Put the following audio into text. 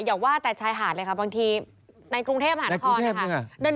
อย่าว่าแต่ชายหาดเลยค่ะบางทีในกรุงเทพหานครนะคะ